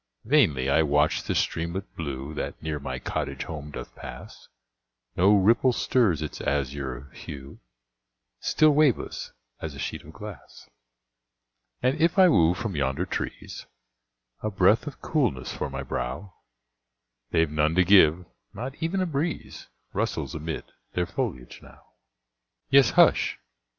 Vainly I watch the streamlet blue That near my cottage home doth pass, No ripple stirs its azure hue, Still waveless, as a sheet of glass And if I woo from yonder trees A breath of coolness for my brow, They've none to give not e'en a breeze Rustles amid their foliage now; Yes, hush!